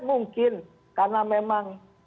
mungkin karena memang